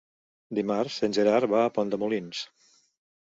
Dimarts en Gerard va a Pont de Molins.